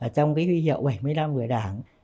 trong cái huy hiệu bảy mươi năm người đảng